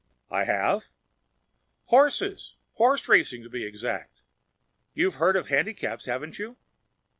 "I have?" "Horses! Horse racing, to be exact. You've heard of handicaps, haven't you?"